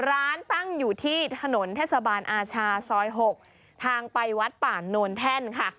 ร้านตั้งอยู่ที่ถนนเทศบาลอาชาซอย๖ทางไปวัดป่าโนนแท่นค่ะ